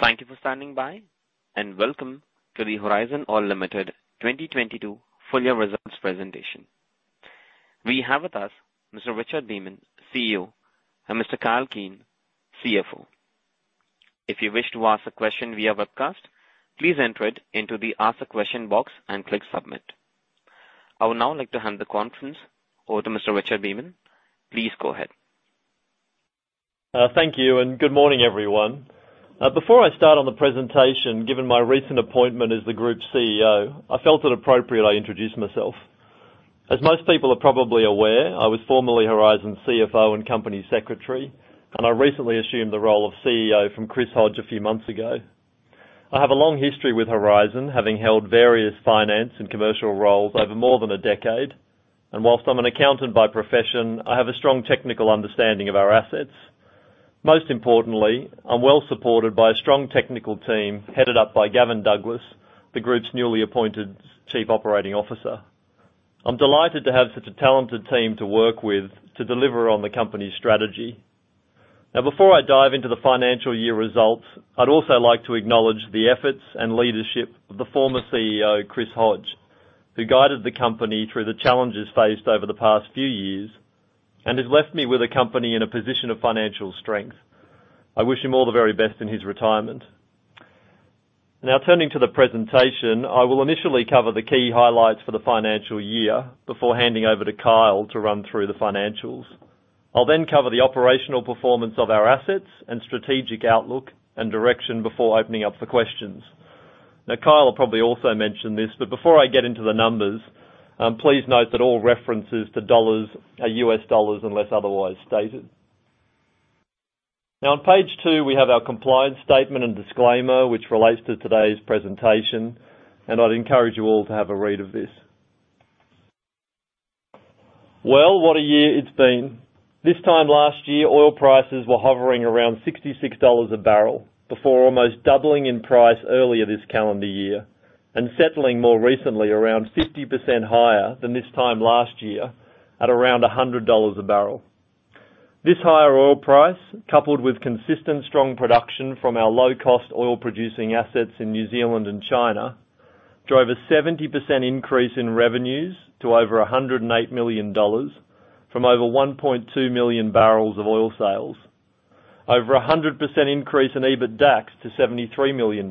Thank you for standing by and welcome to the Horizon Oil Limited 2022 full year results presentation. We have with us Mr. Richard Beament, CEO, and Mr. Kyle Keen, CFO. If you wish to ask a question via webcast, please enter it into the Ask a Question box and click Submit. I would now like to hand the conference over to Mr. Richard Beament. Please go ahead. Thank you, and good morning, everyone. Before I start on the presentation, given my recent appointment as the Group CEO, I felt it appropriate I introduce myself. As most people are probably aware, I was formerly Horizon's CFO and Company Secretary, and I recently assumed the role of CEO from Chris Hodge a few months ago. I have a long history with Horizon, having held various finance and commercial roles over more than a decade, and while I'm an accountant by profession, I have a strong technical understanding of our assets. Most importantly, I'm well supported by a strong technical team headed up by Gavin Douglas, the group's newly appointed Chief Operating Officer. I'm delighted to have such a talented team to work with to deliver on the company's strategy. Now, before I dive into the financial year results, I'd also like to acknowledge the efforts and leadership of the former CEO, Chris Hodge, who guided the company through the challenges faced over the past few years and has left me with a company in a position of financial strength. I wish him all the very best in his retirement. Now, turning to the presentation, I will initially cover the key highlights for the financial year before handing over to Kyle to run through the financials. I'll then cover the operational performance of our assets and strategic outlook and direction before opening up for questions. Now, Kyle will probably also mention this, but before I get into the numbers, please note that all references to dollars are US dollars unless otherwise stated. Now, on page two, we have our compliance statement and disclaimer which relates to today's presentation, and I'd encourage you all to have a read of this. Well, what a year it's been. This time last year, oil prices were hovering around $66 a barrel before almost doubling in price earlier this calendar year and settling more recently around 50% higher than this time last year at around $100 a barrel. This higher oil price, coupled with consistent strong production from our low-cost oil producing assets in New Zealand and China, drove a 70% increase in revenues to over $108 million from over 1.2 million barrels of oil sales. Over 100% increase in EBITDAX to $73 million.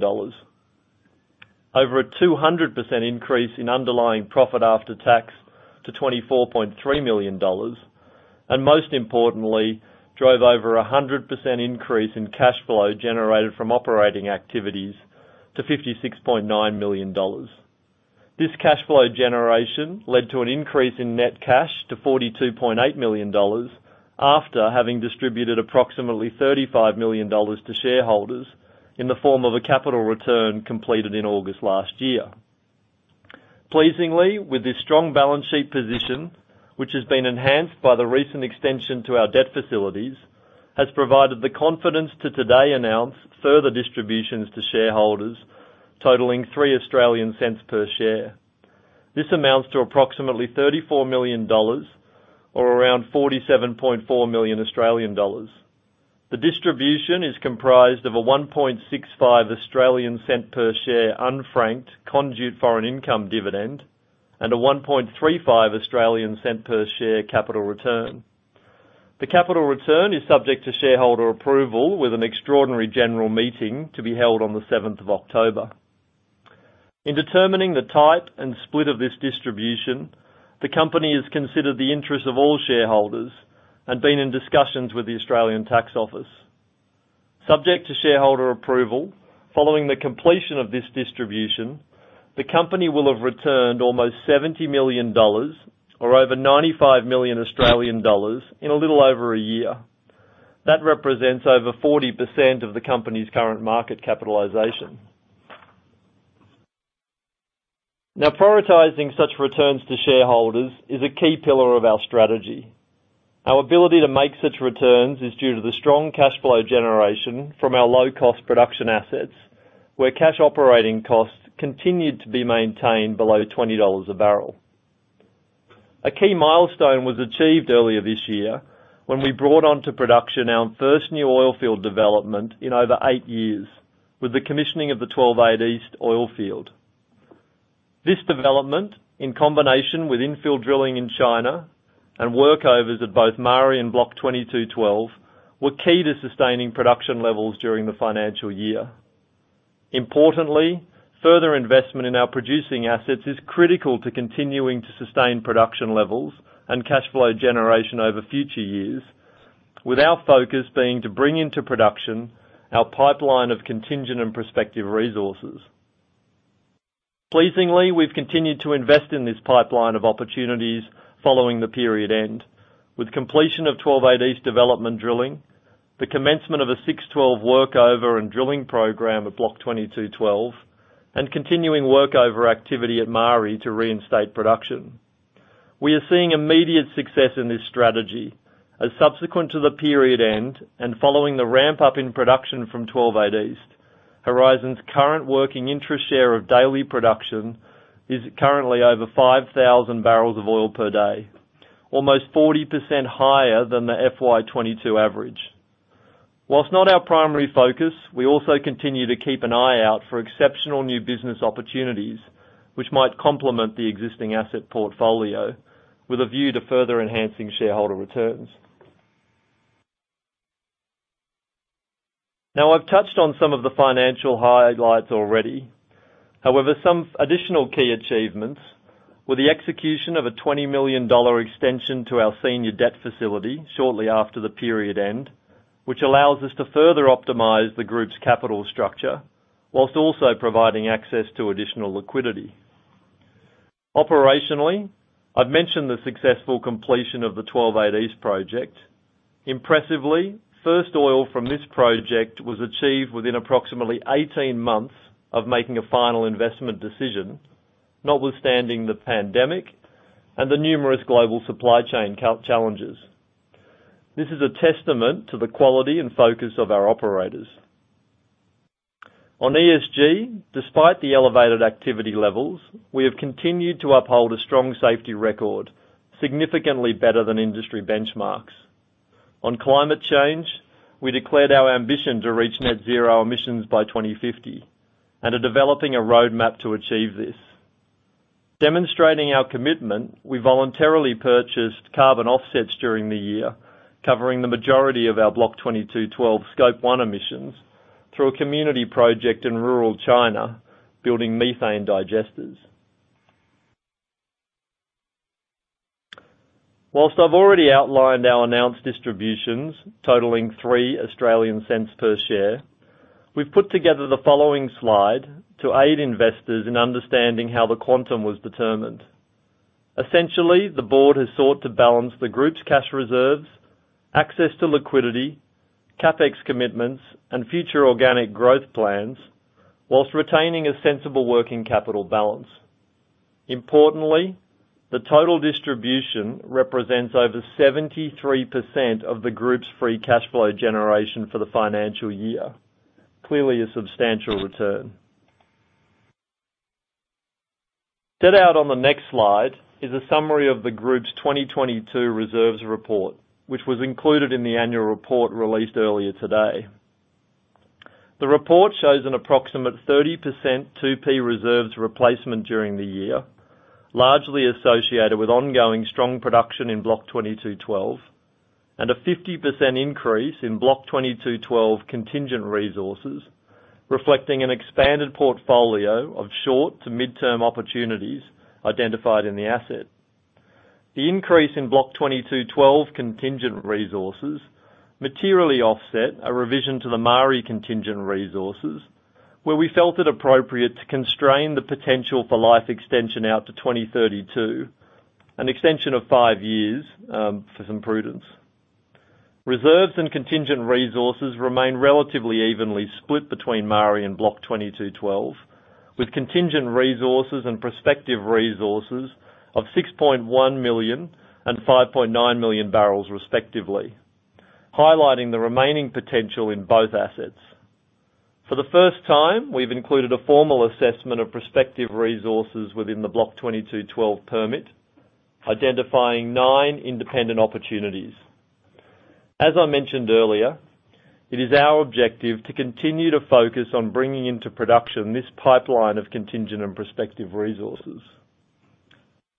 Over 200% increase in underlying profit after tax to $24.3 million. Most importantly, drove over 100% increase in cash flow generated from operating activities to $56.9 million. This cash flow generation led to an increase in net cash to $42.8 million after having distributed approximately $35 million to shareholders in the form of a capital return completed in August last year. Pleasingly, with this strong balance sheet position, which has been enhanced by the recent extension to our debt facilities, has provided the confidence to today announce further distributions to shareholders totaling 0.3 per share. This amounts to approximately $34 million or around 47.4 million Australian dollars. The distribution is comprised of a 0.165 per share unfranked conduit foreign income dividend and a 0.135 per share capital return. The capital return is subject to shareholder approval with an extraordinary general meeting to be held on the seventh of October. In determining the type and split of this distribution, the company has considered the interest of all shareholders and been in discussions with the Australian Taxation Office. Subject to shareholder approval, following the completion of this distribution, the company will have returned almost $70 million or over 95 million Australian dollars in a little over a year. That represents over 40% of the company's current market capitalization. Prioritizing such returns to shareholders is a key pillar of our strategy. Our ability to make such returns is due to the strong cash flow generation from our low-cost production assets, where cash operating costs continued to be maintained below $20 a barrel. A key milestone was achieved earlier this year when we brought on to production our first new oil field development in over eight years with the commissioning of the 12-8 East Oil Field. This development, in combination with infill drilling in China and workovers at both Maari and Block 22/12, were key to sustaining production levels during the financial year. Importantly, further investment in our producing assets is critical to continuing to sustain production levels and cash flow generation over future years, with our focus being to bring into production our pipeline of contingent and prospective resources. Pleasingly, we've continued to invest in this pipeline of opportunities following the period end with completion of 12-8 East development drilling, the commencement of a WZ6-12 workover and drilling program at Block 22/12, and continuing workover activity at Maari to reinstate production. We are seeing immediate success in this strategy as subsequent to the period end and following the ramp up in production from 12-8 East, Horizon's current working interest share of daily production is currently over 5,000 barrels of oil per day. Almost 40% higher than the FY 2022 average. While not our primary focus, we also continue to keep an eye out for exceptional new business opportunities, which might complement the existing asset portfolio with a view to further enhancing shareholder returns. Now, I've touched on some of the financial highlights already. However, some additional key achievements were the execution of a $20 million extension to our senior debt facility shortly after the period end, which allows us to further optimize the group's capital structure while also providing access to additional liquidity. Operationally, I've mentioned the successful completion of the Twelve Eight East project. Impressively, first oil from this project was achieved within approximately 18 months of making a final investment decision, notwithstanding the pandemic and the numerous global supply chain challenges. This is a testament to the quality and focus of our operators. On ESG, despite the elevated activity levels, we have continued to uphold a strong safety record, significantly better than industry benchmarks. On climate change, we declared our ambition to reach net zero emissions by 2050, and are developing a roadmap to achieve this. Demonstrating our commitment, we voluntarily purchased carbon offsets during the year, covering the majority of our Block 22/12 Scope 1 emissions through a community project in rural China building methane digesters. Whilst I've already outlined our announced distributions totaling 0.03 per share, we've put together the following slide to aid investors in understanding how the quantum was determined. Essentially, the board has sought to balance the group's cash reserves, access to liquidity, CapEx commitments, and future organic growth plans while retaining a sensible working capital balance. Importantly, the total distribution represents over 73% of the group's free cash flow generation for the financial year. Clearly a substantial return. Set out on the next slide is a summary of the group's 2022 reserves report, which was included in the annual report released earlier today. The report shows an approximate 30% 2P reserves replacement during the year, largely associated with ongoing strong production in Block 22/12, and a 50% increase in Block 22/12 contingent resources, reflecting an expanded portfolio of short to mid-term opportunities identified in the asset. The increase in Block 2212 contingent resources materially offset a revision to the Maari contingent resources, where we felt it appropriate to constrain the potential for life extension out to 2032, an extension of five years, for some prudence. Reserves and contingent resources remain relatively evenly split between Maari and Block 2212, with contingent resources and prospective resources of 6.1 million and 5.9 million barrels respectively, highlighting the remaining potential in both assets. For the first time, we've included a formal assessment of prospective resources within the Block 22/12 permit, identifying nine independent opportunities. As I mentioned earlier, it is our objective to continue to focus on bringing into production this pipeline of contingent and prospective resources.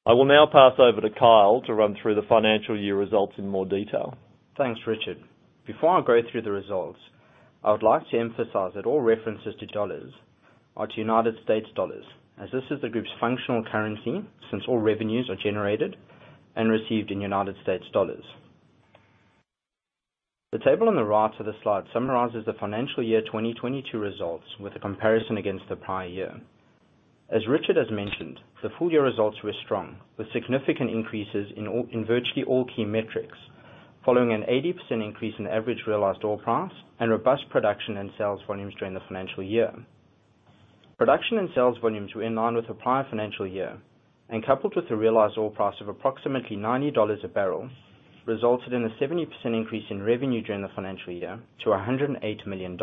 I will now pass over to Kyle to run through the financial year results in more detail. Thanks, Richard. Before I go through the results, I would like to emphasize that all references to dollars are to United States dollars, as this is the group's functional currency since all revenues are generated and received in United States dollars. The table on the right of the slide summarizes the financial year 2022 results with a comparison against the prior year. As Richard has mentioned, the full year results were strong, with significant increases in virtually all key metrics, following an 80% increase in average realized oil price and robust production and sales volumes during the financial year. Production and sales volumes were in line with the prior financial year, and coupled with the realized oil price of approximately $90 a barrel, resulted in a 70% increase in revenue during the financial year to $108 million.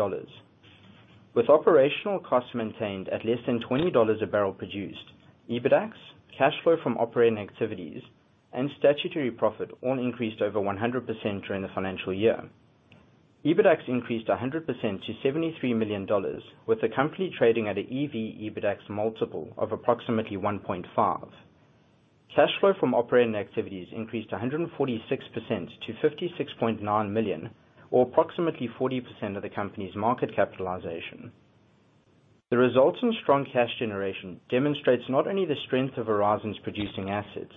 With operational costs maintained at less than $20 a barrel produced, EBITDAX, cash flow from operating activities, and statutory profit all increased over 100% during the financial year. EBITDAX increased 100% to $73 million, with the company trading at an EV/EBITDAX multiple of approximately 1.5x. Cash flow from operating activities increased 146% to $56.9 million, or approximately 40% of the company's market capitalization. The results and strong cash generation demonstrates not only the strength of Horizon's producing assets,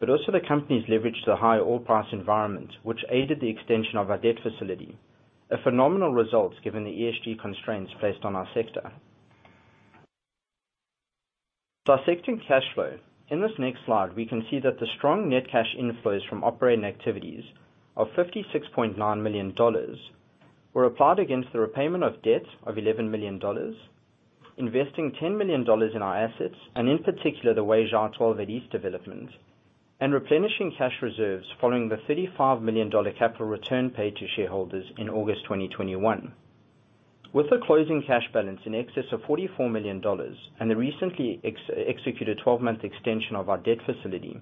but also the company's leverage to the high oil price environment, which aided the extension of our debt facility. A phenomenal result given the ESG constraints placed on our sector. Dissecting cash flow. In this next slide, we can see that the strong net cash inflows from operating activities of $56.9 million were applied against the repayment of debt of $11 million, investing $10 million in our assets, and in particular, the Weizhou 12-8 East development, and replenishing cash reserves following the $35 million capital return paid to shareholders in August 2021. With the closing cash balance in excess of $44 million and the recently executed 12-month extension of our debt facility,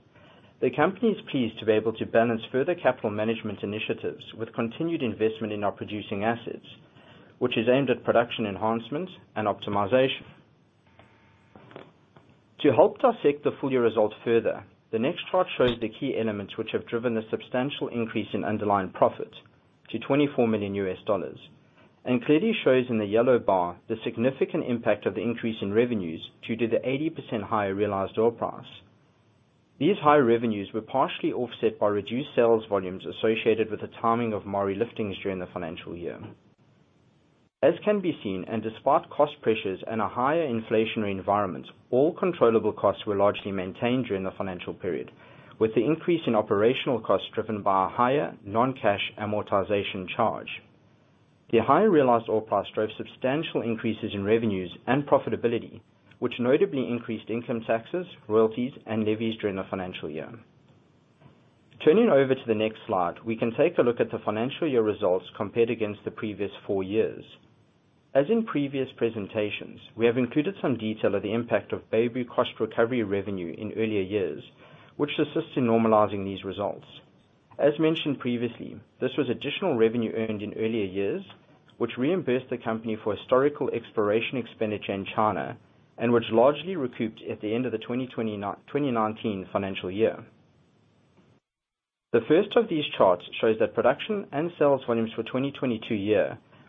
the company is pleased to be able to balance further capital management initiatives with continued investment in our producing assets, which is aimed at production enhancement and optimization. To help dissect the full year results further, the next chart shows the key elements which have driven the substantial increase in underlying profit to $24 million, and clearly shows in the yellow bar the significant impact of the increase in revenues due to the 80% higher realized oil price. These higher revenues were partially offset by reduced sales volumes associated with the timing of Maari liftings during the financial year. As can be seen, and despite cost pressures and a higher inflationary environment, all controllable costs were largely maintained during the financial period, with the increase in operational costs driven by a higher non-cash amortization charge. The higher realized oil price drove substantial increases in revenues and profitability, which notably increased income taxes, royalties and levies during the financial year. Turning over to the next slide, we can take a look at the financial year results compared against the previous four years. As in previous presentations, we have included some detail of the impact of Beibu cost recovery revenue in earlier years, which assists in normalizing these results. As mentioned previously, this was additional revenue earned in earlier years, which reimbursed the company for historical exploration expenditure in China, and which largely recouped at the end of the 2019 financial year. The first of these charts shows that production and sales volumes for 2022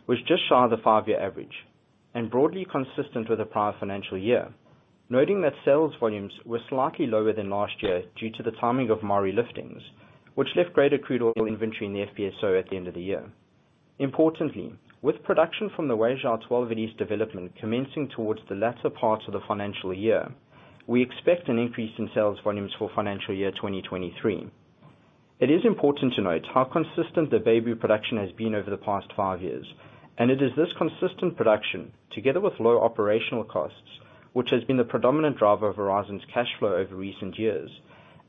was just shy of the five-year average and broadly consistent with the prior financial year. Noting that sales volumes were slightly lower than last year due to the timing of Maari liftings, which left greater crude oil inventory in the FPSO at the end of the year. Importantly, with production from the Weizhou 12-8 East development commencing towards the latter part of the financial year, we expect an increase in sales volumes for financial year 2023. It is important to note how consistent the Beibu production has been over the past five years, and it is this consistent production, together with low operational costs, which has been the predominant driver of Horizon's cash flow over recent years.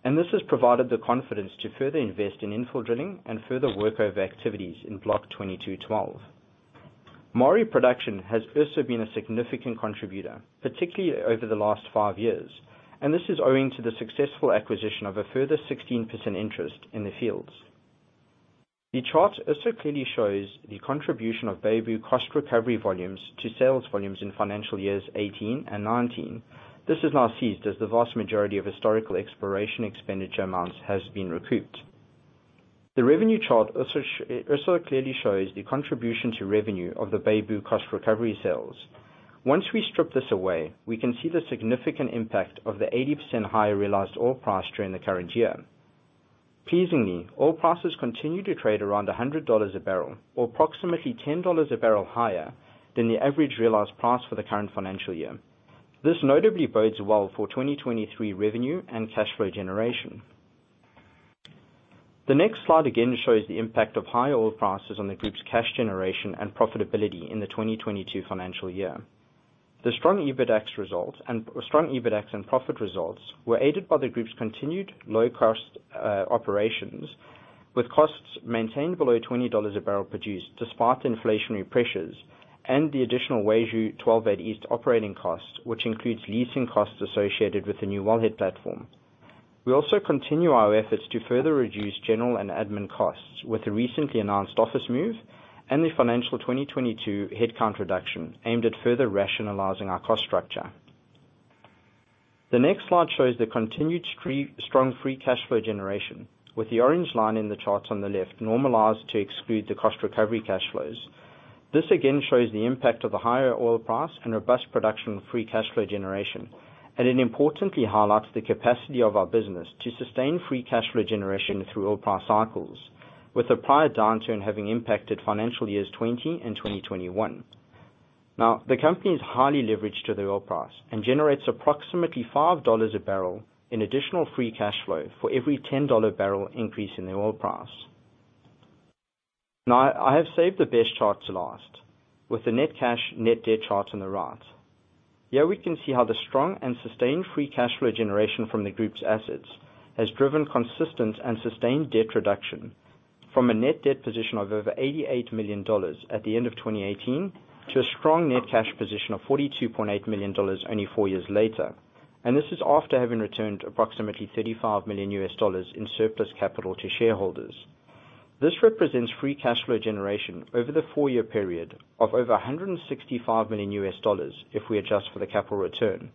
This has provided the confidence to further invest in infill drilling and further work over activities in Block 22/12. Maari production has also been a significant contributor, particularly over the last five years, and this is owing to the successful acquisition of a further 16% interest in the fields. The chart also clearly shows the contribution of Beibu cost recovery volumes to sales volumes in financial years 2018 and 2019. This is now ceased as the vast majority of historical exploration expenditure amounts has been recouped. The revenue chart also clearly shows the contribution to revenue of the Beibu cost recovery sales. Once we strip this away, we can see the significant impact of the 80% higher realized oil price during the current year. Pleasingly, oil prices continue to trade around $100 a barrel, or approximately $10 a barrel higher than the average realized price for the current financial year. This notably bodes well for 2023 revenue and cash flow generation. The next slide again shows the impact of higher oil prices on the group's cash generation and profitability in the 2022 financial year. The strong EBITDAX and profit results were aided by the group's continued low cost operations, with costs maintained below $20 a barrel produced despite inflationary pressures and the additional Weizhou 12-8 East operating costs, which includes leasing costs associated with the new wellhead platform. We also continue our efforts to further reduce general and admin costs with the recently announced office move and the financial 2022 headcount reduction aimed at further rationalizing our cost structure. The next slide shows the continued strong free cash flow generation, with the orange line in the chart on the left normalized to exclude the cost recovery cash flows. This again shows the impact of the higher oil price and robust production of free cash flow generation, and it importantly highlights the capacity of our business to sustain free cash flow generation through oil price cycles, with the prior downturn having impacted financial years 2020 and 2021. Now, the company is highly leveraged to the oil price and generates approximately $5 a barrel in additional free cash flow for every $10 barrel increase in the oil price. Now, I have saved the best chart to last with the net cash, net debt chart on the right. Here we can see how the strong and sustained free cash flow generation from the group's assets has driven consistent and sustained debt reduction from a net debt position of over $88 million at the end of 2018 to a strong net cash position of $42.8 million only four years later. This is after having returned approximately $35 million in surplus capital to shareholders. This represents free cash flow generation over the four-year period of over $165 million if we adjust for the capital return.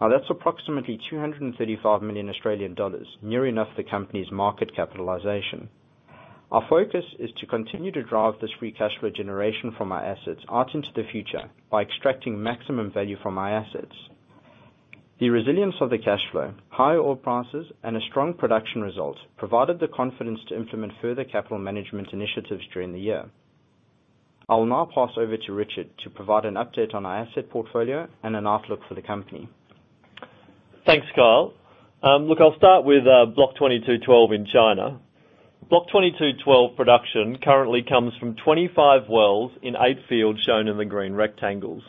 Now, that's approximately 235 million Australian dollars, near enough the company's market capitalization. Our focus is to continue to drive this free cash flow generation from our assets out into the future by extracting maximum value from our assets. The resilience of the cash flow, high oil prices, and a strong production result provided the confidence to implement further capital management initiatives during the year. I will now pass over to Richard to provide an update on our asset portfolio and an outlook for the company. Thanks, Kyle. Look, I'll start with Block 22/12 in China. Block 22/12 production currently comes from 25 wells in eight fields shown in the green rectangles.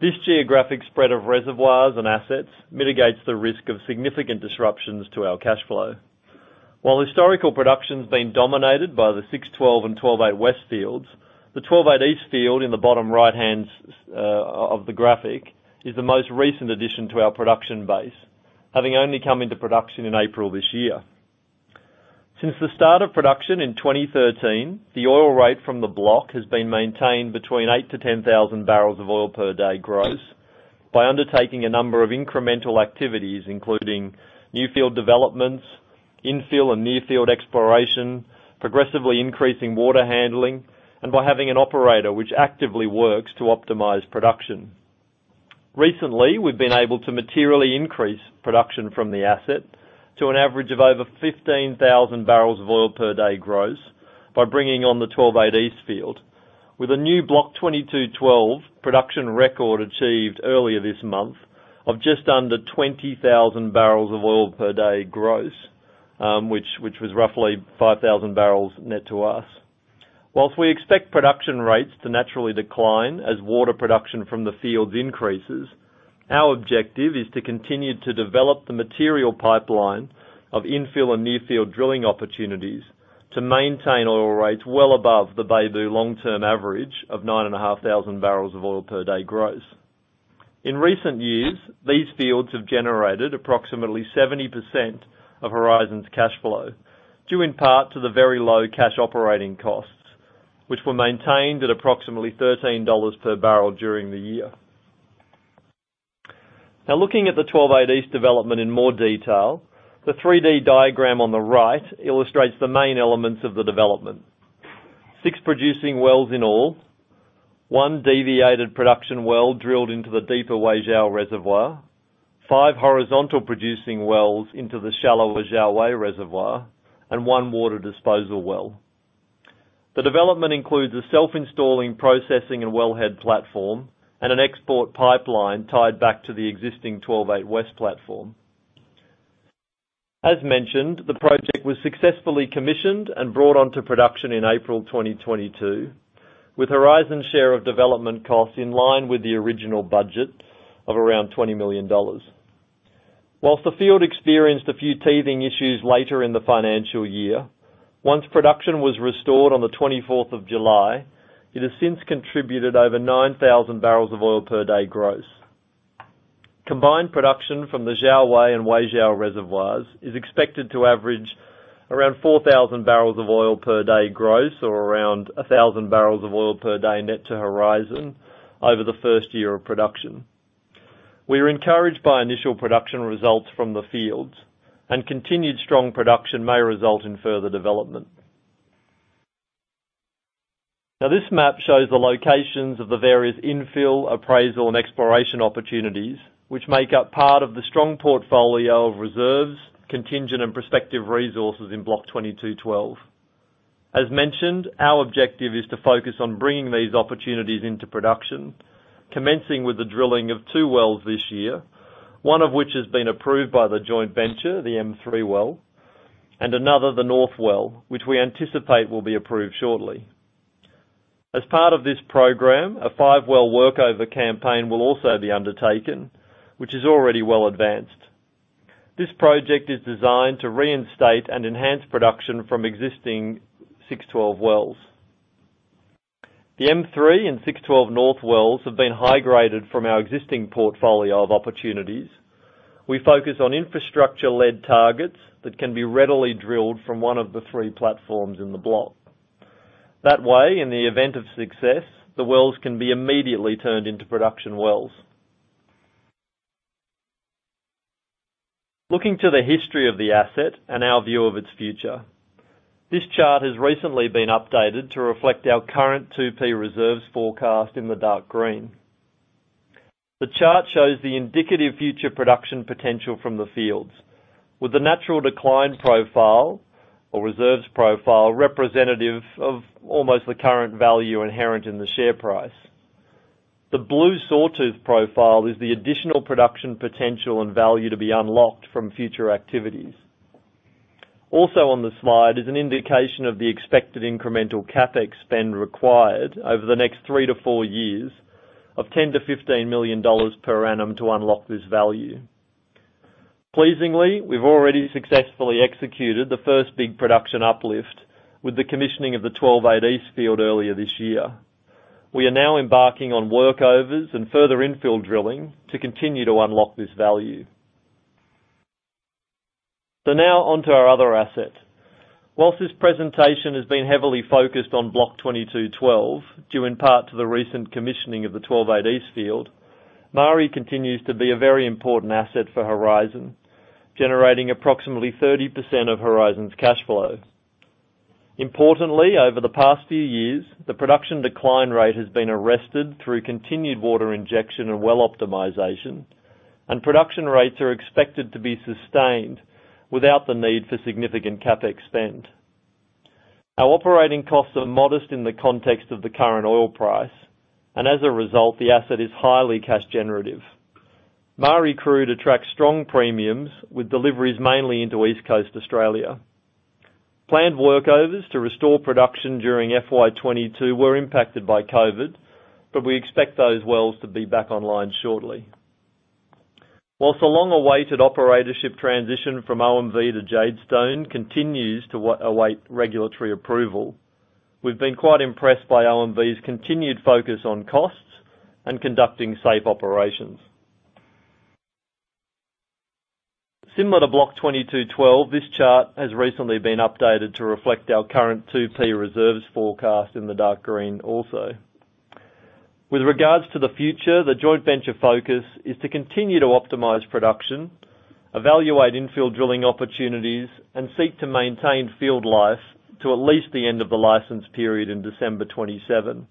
This geographic spread of reservoirs and assets mitigates the risk of significant disruptions to our cash flow. While historical production has been dominated by the 6-12 and 12-8 West fields, the 12-8 East field in the bottom right-hand side of the graphic is the most recent addition to our production base, having only come into production in April this year. Since the start of production in 2013, the oil rate from the block has been maintained between 8,000-10,000 barrels of oil per day gross by undertaking a number of incremental activities, including new field developments, infill and near field exploration, progressively increasing water handling, and by having an operator which actively works to optimize production. Recently, we've been able to materially increase production from the asset to an average of over 15,000 barrels of oil per day gross by bringing on the Weizhou 12-8 East field with a new Block 22/12 production record achieved earlier this month of just under 20,000 barrels of oil per day gross, which was roughly 5,000 barrels net to us. Whilst we expect production rates to naturally decline as water production from the fields increases, our objective is to continue to develop the material pipeline of infill and near field drilling opportunities to maintain oil rates well above the Beibu long-term average of 9,500 barrels of oil per day gross. In recent years, these fields have generated approximately 70% of Horizon's cash flow, due in part to the very low cash operating costs, which were maintained at approximately $13 per barrel during the year. Now, looking at the 128 East development in more detail, the 3D diagram on the right illustrates the main elements of the development. six producing wells in all, one deviated production well drilled into the deeper Huajiao reservoir, five horizontal producing wells into the shallow Xiahua reservoir, and one water disposal well. The development includes a self-installing processing and wellhead platform and an export pipeline tied back to the existing 128 West platform. As mentioned, the project was successfully commissioned and brought on to production in April 2022, with Horizon's share of development costs in line with the original budget of around $20 million. While the field experienced a few teething issues later in the financial year, once production was restored on the 24th of July, it has since contributed over 9,000 barrels of oil per day gross. Combined production from the Xiahua and Huajiao reservoirs is expected to average around 4,000 barrels of oil per day gross or around 1,000 barrels of oil per day net to Horizon over the first year of production. We are encouraged by initial production results from the fields, and continued strong production may result in further development. Now, this map shows the locations of the various infill, appraisal, and exploration opportunities which make up part of the strong portfolio of reserves, contingent, and prospective resources in Block 22/12. As mentioned, our objective is to focus on bringing these opportunities into production, commencing with the drilling of two wells this year, one of which has been approved by the joint venture, the M-3 Well, and another, the North Well, which we anticipate will be approved shortly. As part of this program, a five-well workover campaign will also be undertaken, which is already well advanced. This project is designed to reinstate and enhance production from existing 6-12 wells. The M-3 and 6-12 North wells have been high graded from our existing portfolio of opportunities. We focus on infrastructure-led targets that can be readily drilled from one of the three platforms in the block. That way, in the event of success, the wells can be immediately turned into production wells. Looking to the history of the asset and our view of its future. This chart has recently been updated to reflect our current 2P reserves forecast in the dark green. The chart shows the indicative future production potential from the fields with the natural decline profile or reserves profile representative of almost the current value inherent in the share price. The blue sawtooth profile is the additional production potential and value to be unlocked from future activities. Also on the slide is an indication of the expected incremental CapEx spend required over the next 3-4 years of $10-15 million per annum to unlock this value. Pleasingly, we've already successfully executed the first big production uplift with the commissioning of the 12-8 East field earlier this year. We are now embarking on workovers and further infill drilling to continue to unlock this value. Now on to our other asset. While this presentation has been heavily focused on Block 22/12, due in part to the recent commissioning of the 12-8 East Field, Maari continues to be a very important asset for Horizon, generating approximately 30% of Horizon's cash flow. Importantly, over the past few years, the production decline rate has been arrested through continued water injection and well optimization, and production rates are expected to be sustained without the need for significant CapEx spend. Our operating costs are modest in the context of the current oil price, and as a result, the asset is highly cash generative. Maari Crude attracts strong premiums with deliveries mainly into East Coast Australia. Planned workovers to restore production during FY 2022 were impacted by COVID, but we expect those wells to be back online shortly. While the long-awaited operatorship transition from OMV to Jadestone continues to await regulatory approval, we've been quite impressed by OMV's continued focus on costs and conducting safe operations. Similar to Block 22/12, this chart has recently been updated to reflect our current 2P reserves forecast in the dark green also. With regards to the future, the joint venture focus is to continue to optimize production, evaluate infill drilling opportunities, and seek to maintain field life to at least the end of the license period in December 2027,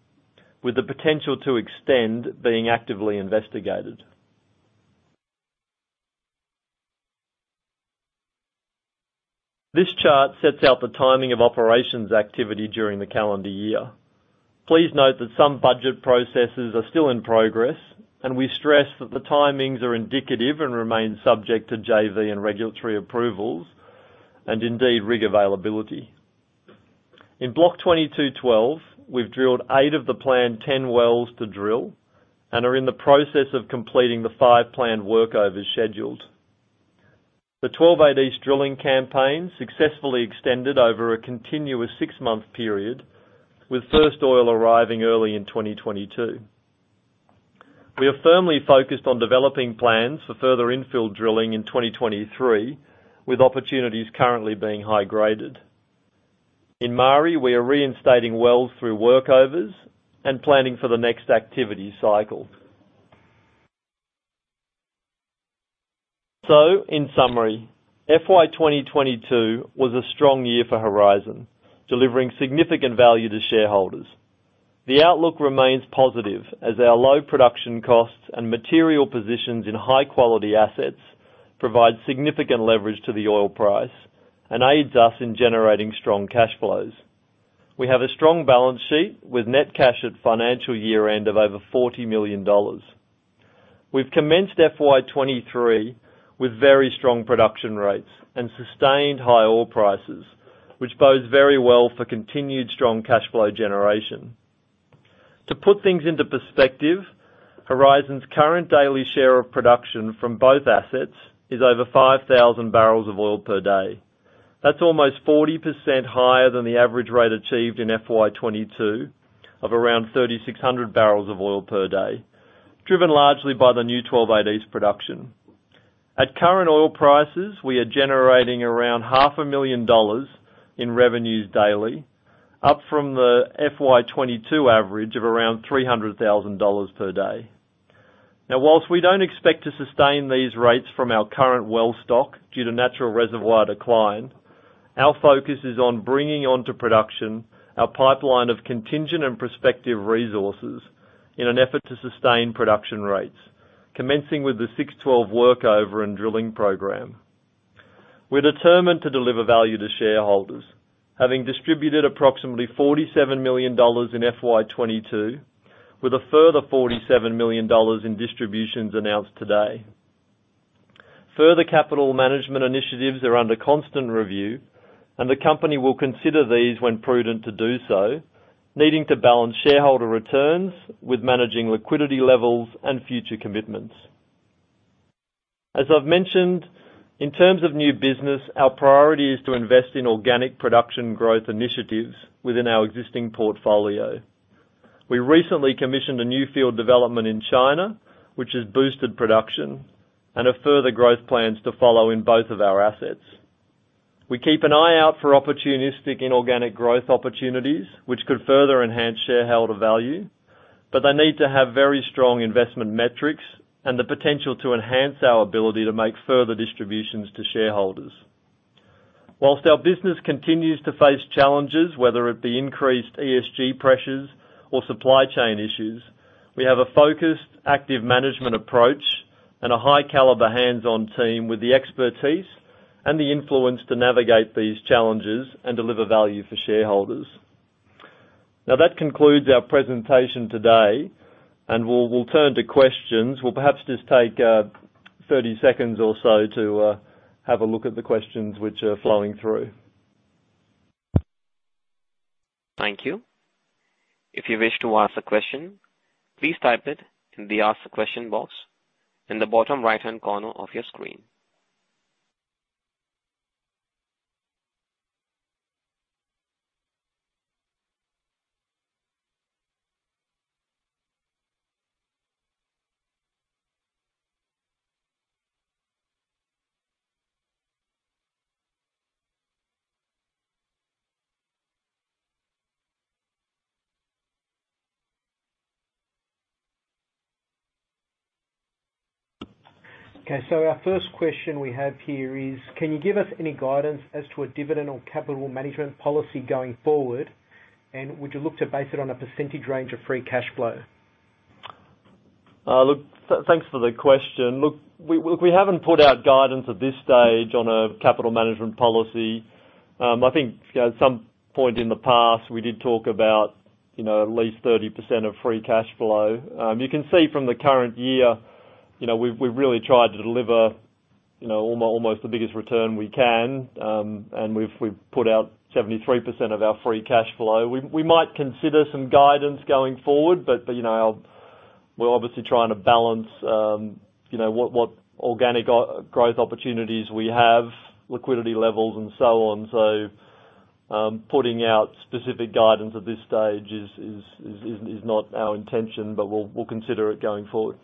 with the potential to extend being actively investigated. This chart sets out the timing of operations activity during the calendar year. Please note that some budget processes are still in progress, and we stress that the timings are indicative and remain subject to JV and regulatory approvals, and indeed rig availability. In Block 2212, we've drilled eight of the planned 10 wells to drill and are in the process of completing the five planned workovers scheduled. The 12-8 East drilling campaign successfully extended over a continuous six-month period, with first oil arriving early in 2022. We are firmly focused on developing plans for further infill drilling in 2023, with opportunities currently being high-graded. In Maari, we are reinstating wells through workovers and planning for the next activity cycle. In summary, FY 2022 was a strong year for Horizon, delivering significant value to shareholders. The outlook remains positive as our low production costs and material positions in high-quality assets provide significant leverage to the oil price and aids us in generating strong cash flows. We have a strong balance sheet with net cash at financial year-end of over $40 million. We've commenced FY 2023 with very strong production rates and sustained high oil prices, which bodes very well for continued strong cash flow generation. To put things into perspective, Horizon's current daily share of production from both assets is over 5,000 barrels of oil per day. That's almost 40% higher than the average rate achieved in FY 2022 of around 3,600 barrels of oil per day, driven largely by the new 12-8 East production. At current oil prices, we are generating around half a million dollars in revenues daily, up from the FY 2022 average of around $300,000 per day. Now, while we don't expect to sustain these rates from our current well stock due to natural reservoir decline, our focus is on bringing onto production our pipeline of contingent and prospective resources in an effort to sustain production rates, commencing with the 6-12 workover and drilling program. We're determined to deliver value to shareholders, having distributed approximately $47 million in FY 2022 with a further $47 million in distributions announced today. Further capital management initiatives are under constant review, and the company will consider these when prudent to do so, needing to balance shareholder returns with managing liquidity levels and future commitments. As I've mentioned, in terms of new business, our priority is to invest in organic production growth initiatives within our existing portfolio. We recently commissioned a new field development in China, which has boosted production and have further growth plans to follow in both of our assets. We keep an eye out for opportunistic inorganic growth opportunities which could further enhance shareholder value, but they need to have very strong investment metrics and the potential to enhance our ability to make further distributions to shareholders. Whilst our business continues to face challenges, whether it be increased ESG pressures or supply chain issues, we have a focused, active management approach and a high caliber hands-on team with the expertise and the influence to navigate these challenges and deliver value for shareholders. Now, that concludes our presentation today, and we'll turn to questions. We'll perhaps just take 30 seconds or so to have a look at the questions which are flowing through. Thank you. If you wish to ask a question, please type it in the Ask a Question box in the bottom right-hand corner of your screen. Okay. Our first question we have here is: Can you give us any guidance as to a dividend or capital management policy going forward, and would you look to base it on a percentage range of free cash flow? Thanks for the question. We haven't put out guidance at this stage on a capital management policy. I think at some point in the past, we did talk about, you know, at least 30% of free cash flow. You can see from the current year. You know, we've really tried to deliver, you know, almost the biggest return we can, and we've put out 73% of our free cash flow. We might consider some guidance going forward, but, you know, we're obviously trying to balance, you know, what organic growth opportunities we have, liquidity levels and so on. Putting out specific guidance at this stage is not our intention, but we'll consider it going forward.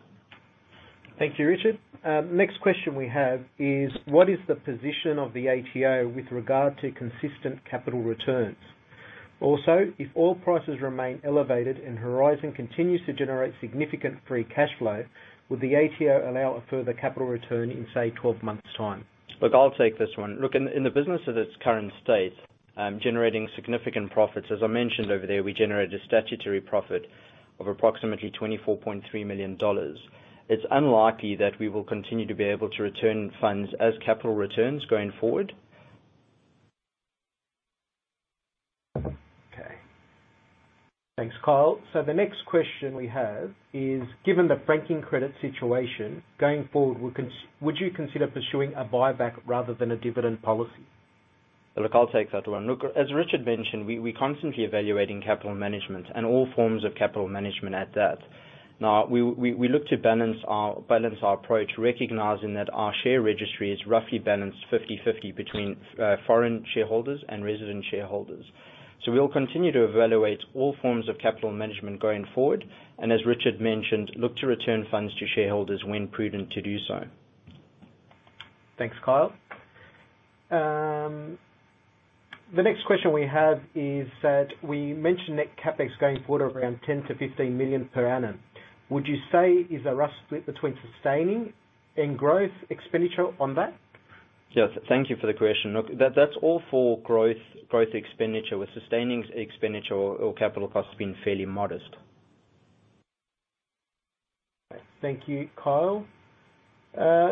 Thank you, Richard. Next question we have is: What is the position of the ATO with regard to consistent capital returns? Also, if oil prices remain elevated and Horizon continues to generate significant free cash flow, would the ATO allow a further capital return in, say, 12 months' time? Look, I'll take this one. Look, in the business at its current state, generating significant profits. As I mentioned over there, we generated a statutory profit of approximately $24.3 million. It's unlikely that we will continue to be able to return funds as capital returns going forward. Okay. Thanks, Kyle. The next question we have is: Given the franking credit situation, going forward, would you consider pursuing a buyback rather than a dividend policy? Look, I'll take that one. Look, as Richard mentioned, we constantly evaluating capital management and all forms of capital management at that. Now, we look to balance our approach, recognizing that our share registry is roughly balanced 50/50 between foreign shareholders and resident shareholders. We'll continue to evaluate all forms of capital management going forward, and as Richard mentioned, look to return funds to shareholders when prudent to do so. Thanks, Kyle. The next question we have is that we mentioned net CapEx going forward around $10-15 million per annum. Would you say is a rough split between sustaining and growth expenditure on that? Yes. Thank you for the question. Look, that's all for growth expenditure with sustaining expenditure or capital costs being fairly modest. Thank you, Kyle.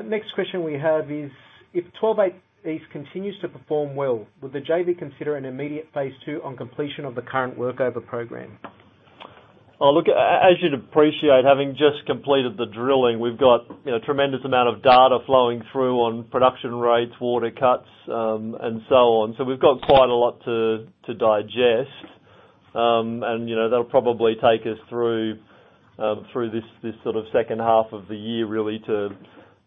Next question we have is: If 12-8 East continues to perform well, would the JV consider an immediate phase II on completion of the current work over program? Oh, look, as you'd appreciate, having just completed the drilling, we've got, you know, tremendous amount of data flowing through on production rates, water cuts, and so on. So we've got quite a lot to digest, and, you know, that'll probably take us through this sort of H2 of the year, really, to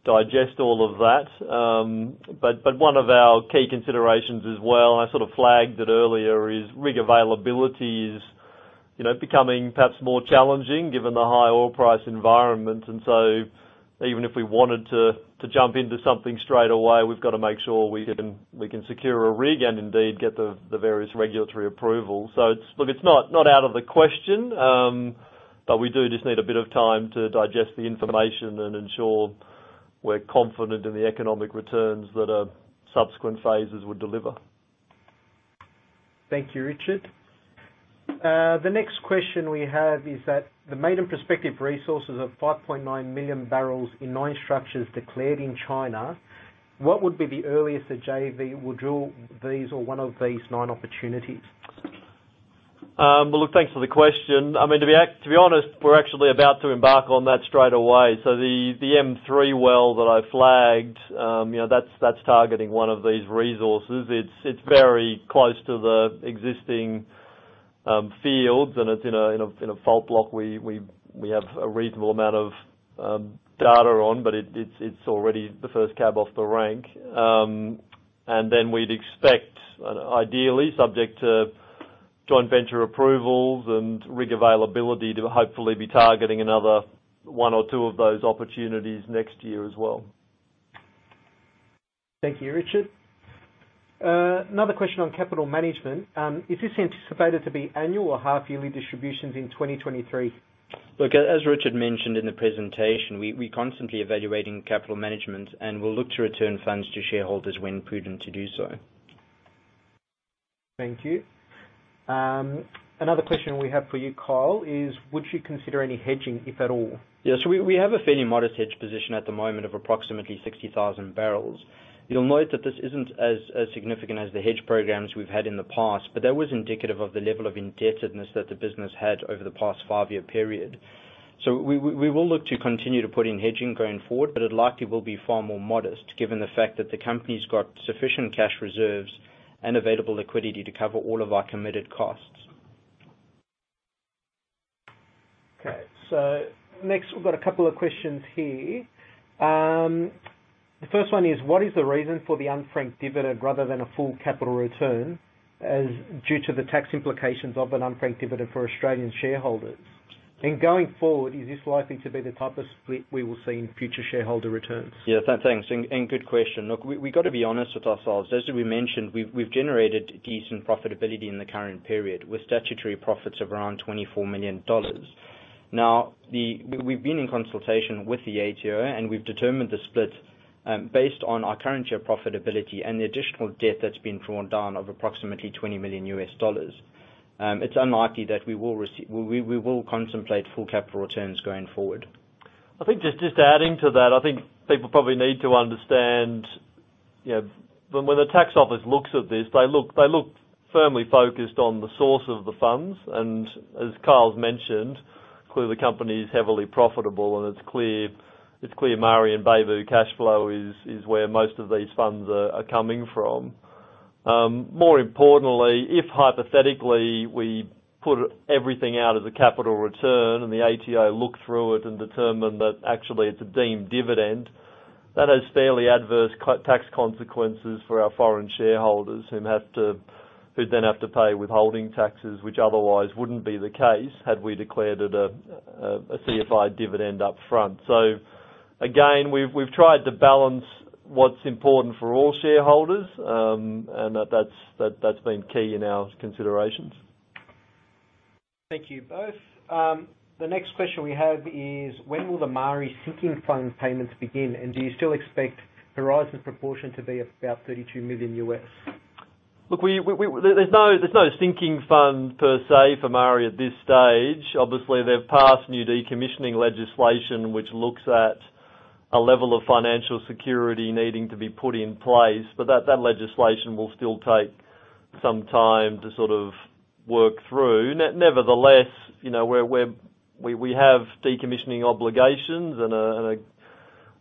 digest all of that. One of our key considerations as well, and I sort of flagged it earlier, is rig availability, you know, becoming perhaps more challenging given the high oil price environment. Even if we wanted to jump into something straight away, we've got to make sure we can secure a rig and indeed get the various regulatory approvals. Look, it's not out of the question, but we do just need a bit of time to digest the information and ensure we're confident in the economic returns that subsequent phases would deliver. Thank you, Richard. The next question we have is that the maiden prospective resources of 5.9 million barrels in nine structures declared in China, what would be the earliest the JV will drill these or one of these nine opportunities? Well, look, thanks for the question. I mean, to be honest, we're actually about to embark on that straight away. The M-3 well that I flagged, you know, that's targeting one of these resources. It's very close to the existing fields, and it's in a fault block we have a reasonable amount of data on, but it's already the first cab off the rank. And then we'd expect, ideally, subject to joint venture approvals and rig availability to hopefully be targeting another one or two of those opportunities next year as well. Thank you, Richard. Another question on capital management. Is this anticipated to be annual or half yearly distributions in 2023? Look, as Richard mentioned in the presentation, we constantly evaluating capital management, and we'll look to return funds to shareholders when prudent to do so. Thank you. Another question we have for you, Kyle, is: Would you consider any hedging, if at all? Yeah. We have a fairly modest hedge position at the moment of approximately 60,000 barrels. You'll note that this isn't as significant as the hedge programs we've had in the past, but that was indicative of the level of indebtedness that the business had over the past five-year period. We will look to continue to put in hedging going forward, but it likely will be far more modest given the fact that the company's got sufficient cash reserves and available liquidity to cover all of our committed costs. Okay. Next, we've got a couple of questions here. The first one is: What is the reason for the unfranked dividend rather than a full capital return, as due to the tax implications of an unfranked dividend for Australian shareholders? Going forward, is this likely to be the type of split we will see in future shareholder returns? Yeah. Thanks and good question. Look, we got to be honest with ourselves. As we mentioned, we've generated decent profitability in the current period with statutory profits of around $24 million. Now, we've been in consultation with the ATO, and we've determined the split based on our current year profitability and the additional debt that's been drawn down of approximately $20 million. It's unlikely that we will contemplate full capital returns going forward. I think just adding to that, I think people probably need to understand. Yeah. When the tax office looks at this, they look firmly focused on the source of the funds. As Kyle's mentioned, clearly, the company is heavily profitable, and it's clear Maari and Beibu cash flow is where most of these funds are coming from. More importantly, if hypothetically, we put everything out as a capital return and the ATO look through it and determine that actually it's a deemed dividend, that has fairly adverse tax consequences for our foreign shareholders who then have to pay withholding taxes, which otherwise wouldn't be the case had we declared it a CFI dividend up front. Again, we've tried to balance what's important for all shareholders, and that's been key in our considerations. Thank you both. The next question we have is: When will the Maari sinking fund payments begin, and do you still expect Horizon's proportion to be about $32 million? Look, there's no sinking fund per se for Maari at this stage. Obviously, they've passed new decommissioning legislation which looks at a level of financial security needing to be put in place, but that legislation will still take some time to sort of work through. Nevertheless, you know, we have decommissioning obligations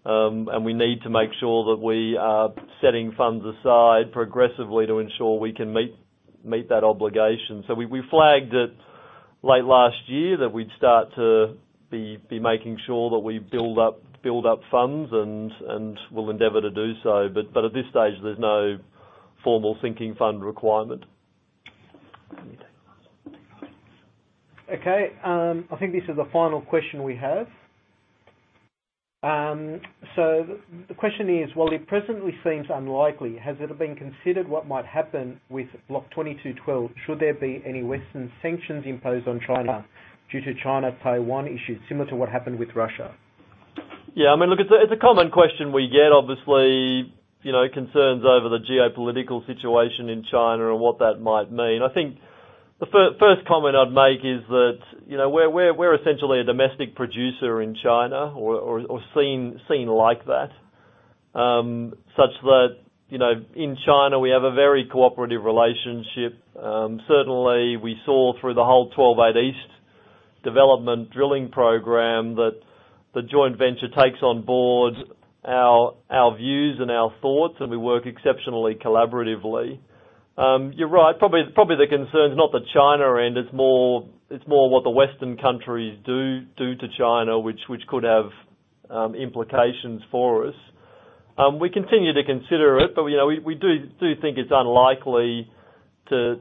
and we need to make sure that we are setting funds aside progressively to ensure we can meet that obligation. We flagged it late last year that we'd start to be making sure that we build up funds and we'll endeavor to do so. At this stage, there's no formal sinking fund requirement. I think this is the final question we have. The question is: While it presently seems unlikely, has it been considered what might happen with Block 22/12 should there be any Western sanctions imposed on China due to China-Taiwan issues, similar to what happened with Russia? Yeah. I mean, look, it's a common question we get. Obviously, you know, concerns over the geopolitical situation in China and what that might mean. I think the first comment I'd make is that, you know, we're essentially a domestic producer in China or seen like that, such that, you know, in China, we have a very cooperative relationship. Certainly we saw through the whole 12-8 East development drilling program that the joint venture takes on board our views and our thoughts, and we work exceptionally collaboratively. You're right. Probably the concern is not the China end. It's more what the Western countries do to China, which could have implications for us. We continue to consider it, but you know, we do think it's unlikely to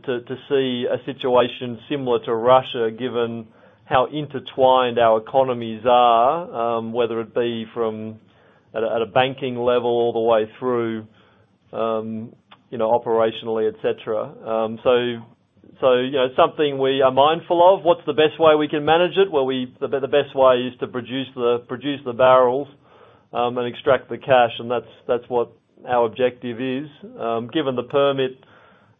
see a situation similar to Russia, given how intertwined our economies are, whether it be from a banking level all the way through, you know, operationally, et cetera. You know, something we are mindful of. What's the best way we can manage it? Well, the best way is to produce the barrels and extract the cash, and that's what our objective is. Given the permit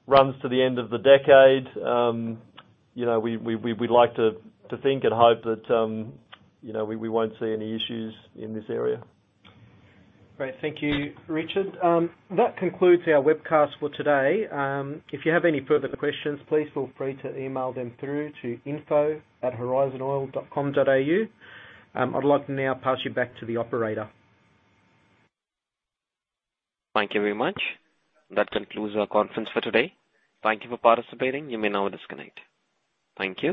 runs to the end of the decade, you know, we'd like to think and hope that you know, we won't see any issues in this area. Great. Thank you, Richard. That concludes our webcast for today. If you have any further questions, please feel free to email them through to info@horizonoil.com.au. I'd like to now pass you back to the operator. Thank you very much. That concludes our conference for today. Thank you for participating. You may now disconnect. Thank you.